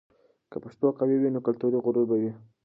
که پښتو قوي وي، نو کلتوري غرور به وي.